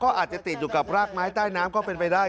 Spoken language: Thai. อาจจะติดอยู่กับรากไม้ใต้น้ำก็เป็นไปได้